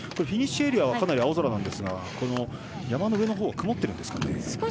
フィニッシュエリアはかなり青空なんですが山の上のほうは曇ってるんですかね。